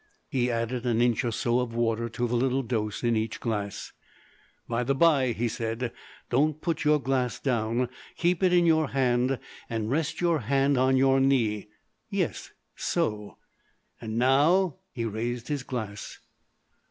He added an inch or so of water to the little dose in each glass. "By the by," he said, "don't put your glass down. Keep it in your hand and rest your hand on your knee. Yes so. And now " He raised his glass.